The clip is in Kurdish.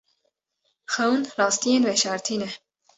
Xewn rastiyên veşartî ne.